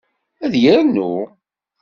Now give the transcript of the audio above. Ad yernu?